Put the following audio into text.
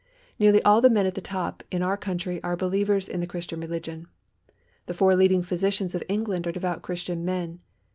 Nearly all the men at the top in our country are believers in the Christian religion. The four leading physicians of England are devout Christian men.